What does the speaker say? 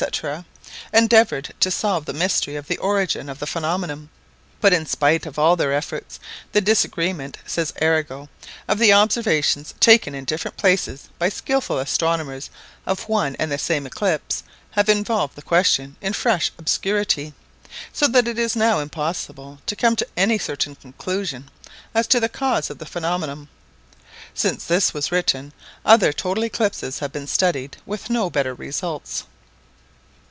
—endeavoured to solve the mystery of the origin of the phenomenon; but in spite of all their efforts, "the disagreement," says Arago, "of the observations taken in different places by skilful astronomers of one and the same eclipse, have involved the question in fresh obscurity, so that it is now impossible to come to any certain conclusion as to the cause of the phenomenon." Since this was written, other total eclipses have been studied with no better results.